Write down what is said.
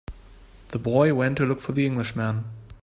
The boy went to look for the Englishman.